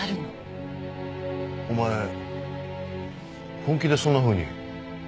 お前本気でそんなふうに？